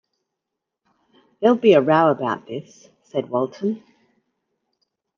"There'll be a row about this," said Walton.